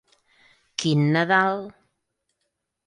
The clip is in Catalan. Quin Nadal!